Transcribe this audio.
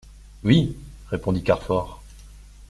Oui, répondit Carfor.